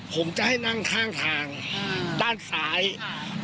ผมจะให้นั่งข้างทางอืมด้านซ้ายอ่า